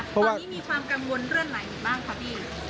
ตอนนี้มีความกังวลเรื่องอะไรบ้างครับพี่